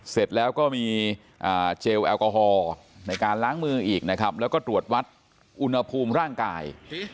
เสร็จแล้วก็มีเจลแอลกอฮอล์ในการล้างมืออีกนะครับแล้วก็ตรวจวัดอุณหภูมิร่างกาย